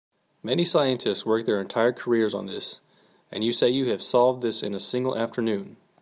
Many scientists work their entire careers on this, and you say you have solved this in a single afternoon?